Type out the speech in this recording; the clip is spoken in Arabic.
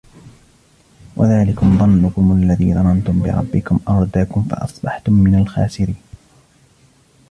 وذلكم ظنكم الذي ظننتم بربكم أرداكم فأصبحتم من الخاسرين